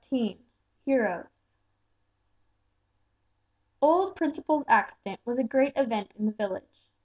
XIV HEROES Old Principle's accident was a great event in the village.